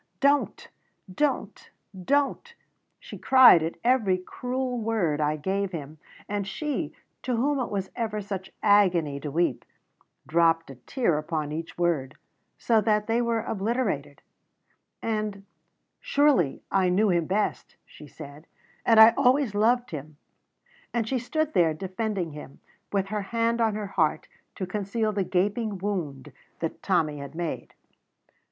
"Don't, don't, don't!" she cried at every cruel word I gave him, and she, to whom it was ever such agony to weep, dropped a tear upon each word, so that they were obliterated; and "Surely I knew him best," she said, "and I always loved him"; and she stood there defending him, with her hand on her heart to conceal the gaping wound that Tommy had made.